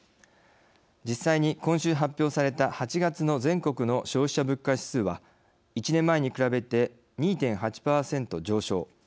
実際に今週発表された８月の全国の消費者物価指数は１年前に比べて２．８％上昇。